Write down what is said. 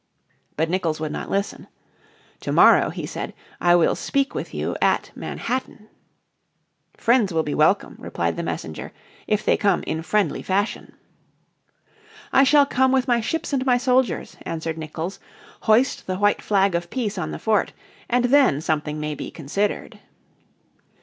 But Nicolls would not listen. "To morrow," he said, "I will speak with you at Manhattan." "Friends will be welcome," replied the messenger, "if they come, in friendly fashion." "I shall come with my ships and my soldiers," answered Nicolls. "Hoist the white flag of peace on the fort, and then something may be considered."